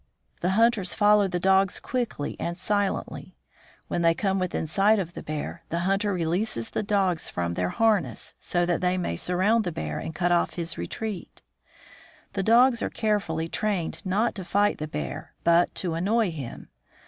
The hunters follow the dogs quickly and silently. When they come within sight 50 THE FROZEN NORTH of the bear, the hunter releases the dogs from their hai ness, so that they may surround the bear and cut off his retreat. The dogs are carefully trained not to fight the bear, but to annoy him.